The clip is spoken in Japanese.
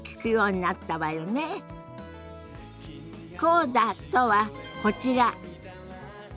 コーダとはこちら。